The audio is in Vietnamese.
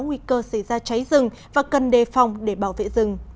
nguy cơ xảy ra cháy rừng và cần đề phòng để bảo vệ rừng